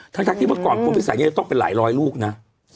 ทั้งที่เมื่อก่อนพลพิสัยจะต้องเป็นหลายร้อยลูกนะ